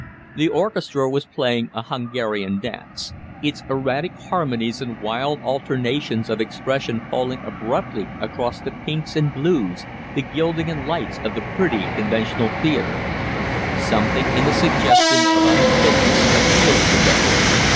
The orchestra was playing a Hungarian dance its erratic harmonies and wild alternations of expression falling abruptly across the pinks and blues, the gilding and lights of the pretty, conventional theatre. Something in the suggestion of unfitness appealed to Loder.